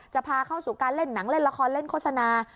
จะพาเข้าสู่การเล่นหนังเล่นละครเล่นโฆษณา